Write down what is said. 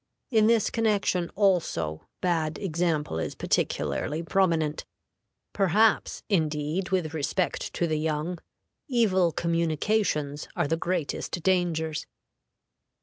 In this connection, also, bad example is particularly prominent; perhaps, indeed, with respect to the young, evil communications are the greatest dangers.